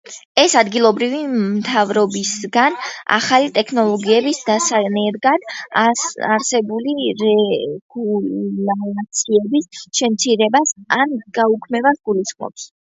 ეს ადგილობრივი მთავრობისგან ახალი ტექნოლოგიების დასანერგად, არსებული რეგულაციების შემცირებას, ან გაუქმებას გულისხმობს.